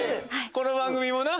この番組もな。